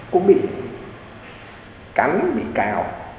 cũng bị cắn bị cào